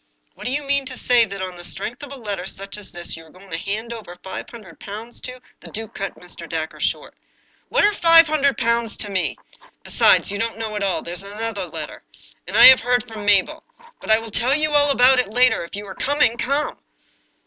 " And do you mean to say that on the strength of a letter such as this you are going to hand over five hundred pounds to " The duke cut Mr. Dacre short. "What are five hundred pounds to me? Besides, you don't know all. There is another letter. And I have heard from Mabel. But I will tell you all about it later. If you are coming, come